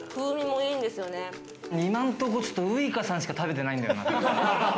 今んとこウイカさんしか食べてないんだよな。